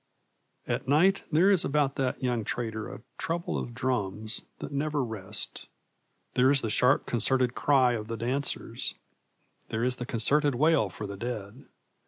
At night there is about that young trader a trouble of drums that never rest. There is the sharp concerted cry of the dancers. There is the concerted wail for the dead.